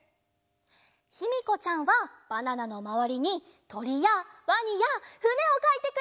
ひみこちゃんはバナナのまわりにとりやワニやふねをかいてくれました！